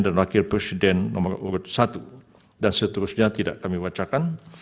dan wakil presiden nomor urut satu dan seterusnya tidak kami wajarkan